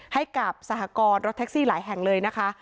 ให้กับสหกรณ์รถแท็กซี่หลายแห่งเลยนะคะ